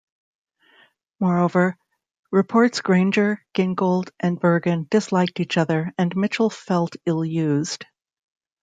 Moreover, reports Granger, Gingold, and Bergen disliked each other, and Mitchell felt ill-used.